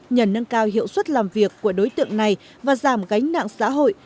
nhờ nâng cao hiệu suất làm việc của đối tượng này và giảm gánh nặng xã hội